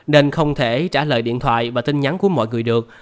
nên không thể trả lời điện thoại và tin nhắn của mọi người được